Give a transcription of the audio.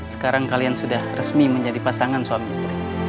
sekarang kalian sudah resmi menjadi pasangan suami istri